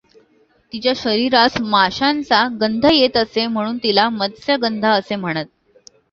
तिच्या शरिरास माशांचा गंध येत असे म्हणून तिला मत्स्यगंधा असे म्हणत.